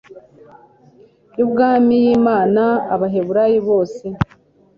y ubwami y imana abaheburayo bose